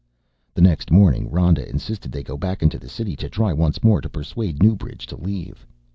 The next morning Rhoda insisted they go back into the city to try once more to persuade Newbridge to leave.